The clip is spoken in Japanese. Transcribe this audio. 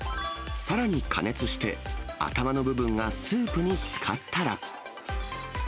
さらに加熱して、頭の部分がスープにつかったら。